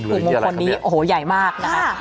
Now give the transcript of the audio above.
คือมงคลนี้โอ้โหใหญ่มากนะคะ